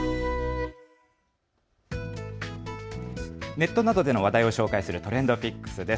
ネットなどでの話題を紹介するＴｒｅｎｄＰｉｃｋｓです。